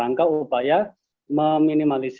dan kemudian diberikan ke rumah masing masing